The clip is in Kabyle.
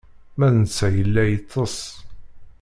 Ma d netta yella yeṭṭeṣ.